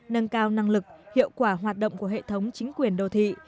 nâng cao năng lực hiệu quả hoạt động của hệ thống chính quyền đô thị